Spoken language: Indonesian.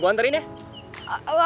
gue anterin ya